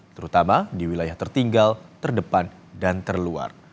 terutama di wilayah tertinggal terdepan dan terluar